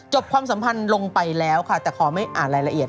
ความสัมพันธ์ลงไปแล้วค่ะแต่ขอไม่อ่านรายละเอียด